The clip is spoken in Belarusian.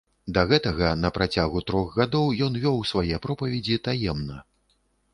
Да гэтага, на працягу трох гадоў, ён вёў свае пропаведзі таемна.